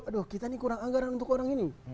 aduh kita ini kurang anggaran untuk orang ini